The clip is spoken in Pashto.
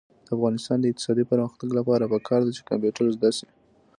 د افغانستان د اقتصادي پرمختګ لپاره پکار ده چې کمپیوټر زده شي.